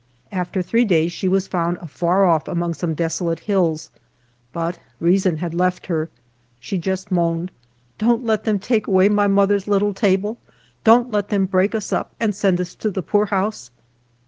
After three days she was found afar off among some desolate hills, but reason had left her. She just moaned, ^' Don't let them take away my mother's little table ; don't let them break us up and send us to the poorhouse."